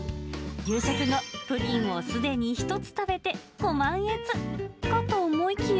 夕食後、プリンをすでに１つ食べてご満悦、かと思いきや。